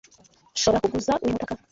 Nshobora kuguza uyu mutaka?